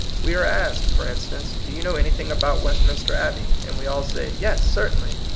We are asked, for in stance, ^Do you know anything about Westminster Abbey?" and we all say, " Yes, certainly."